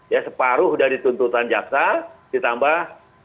ya separuh dari tuntutan jaksa ditambah